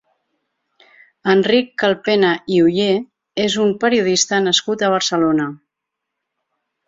Enric Calpena i Ollé és un periodista nascut a Barcelona.